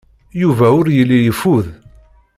Yuba ur yelli yeffud.